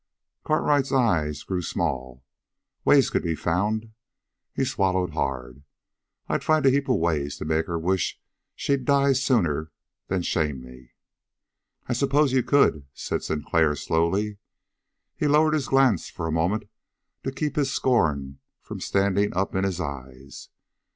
Cartwright's eyes grew small. "Ways could be found." He swallowed hard. "I'd find a heap of ways to make her wish she'd died sooner'n shame me!" "I s'pose you could," said Sinclair slowly. He lowered his glance for a moment to keep his scorn from standing up in his eyes.